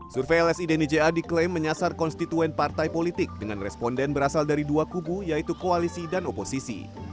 survei lsi dnija diklaim menyasar konstituen partai politik dengan responden berasal dari dua kubu yaitu koalisi dan oposisi